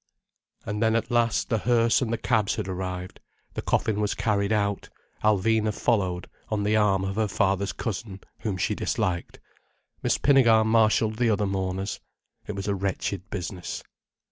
And then at last the hearse and the cabs had arrived—the coffin was carried out—Alvina followed, on the arm of her father's cousin, whom she disliked. Miss Pinnegar marshalled the other mourners. It was a wretched business.